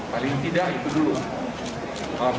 paling tidak itu dulu